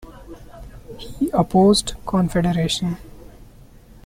He opposed confederation.